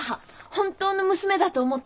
本当の娘だと思ってるって。